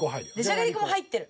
じゃがりこも入ってる。